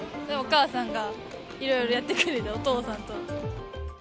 で、お母さんがいろいろやってくれて、お父さんと。